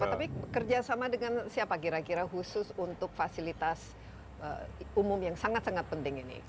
tapi kerjasama dengan siapa kira kira khusus untuk fasilitas umum yang sangat sangat penting ini